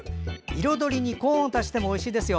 彩りにコーンを足してもおいしいですよ。